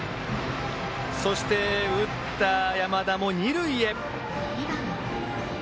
そして、打った山田も二塁へ。